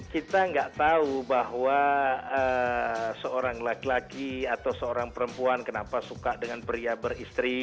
kita nggak tahu bahwa seorang laki laki atau seorang perempuan kenapa suka dengan pria beristri